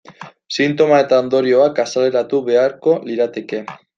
Sintoma eta ondorioak azaleratu beharko lirateke.